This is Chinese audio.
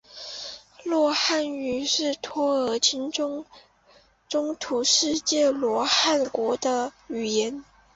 洛汗语是托尔金的中土世界洛汗国的语言。